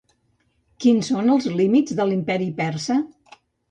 Quins són els límits de l'imperi persa?